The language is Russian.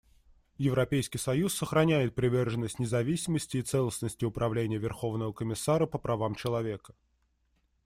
Европейский союз сохраняет приверженность независимости и целостности Управления Верховного комиссара по правам человека.